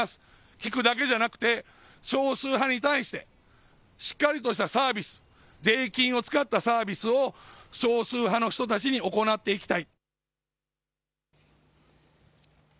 聞くだけじゃなくて少数派に対してしっかりとしたサービス、税金を使ったサービスを少数派の人たちに行っていきたい。